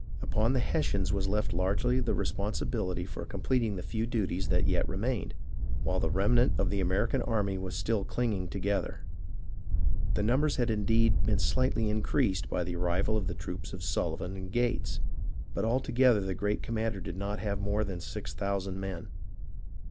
Upon the Hessians was left largely the responsibility for completing the few duties that yet remained, while the remnant of the American army was still clinging together. The numbers had indeed been slightly increased by the arrival of the troops of Sullivan and Gates, but all together the great commander did not have more than six thou sand men.